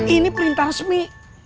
ini perintah resmi